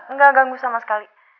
nggak ganggu sama sekali